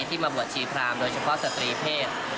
ที่มาบวชชีพรามโดยเฉพาะสตรีเพศ